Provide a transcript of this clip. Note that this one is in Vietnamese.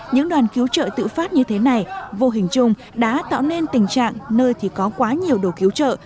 những đoàn cứu trợ tự phát như thế này vô hình chung đã tạo nên tình trạng nơi thì có quá nhiều đồ cứu trợ